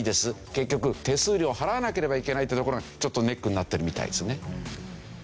結局手数料を払わなければいけないっていうところがちょっとネックになってるみたいですね。